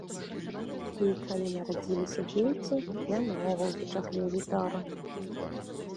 Ды і калі нарадзіліся дзеці, я наогул зачахліў гітару.